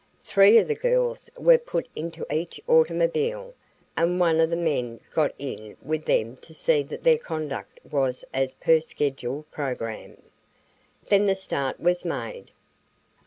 Three of the girls were put into each automobile and one of the men got in with them to see that their conduct was as per scheduled program. Then the start was made.